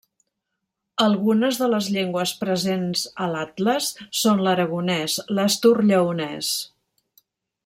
Algunes de les llengües presents a l'atles són l'aragonès, l'asturlleonès.